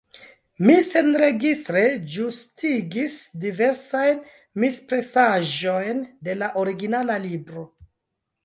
Mi senregistre ĝustigis diversajn mispresaĵojn de la originala libro.